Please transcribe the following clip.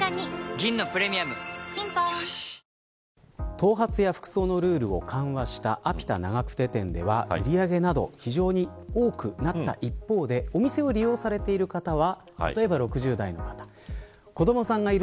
頭髪や服装のルールを緩和したアピタ長久手店では売上など非常に多くなった一方でお店を利用されている方は。